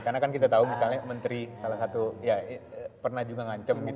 karena kan kita tahu misalnya menteri salah satu ya pernah juga ngancem gitu loh